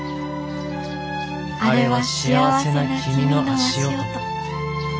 あれは幸せな君の足音。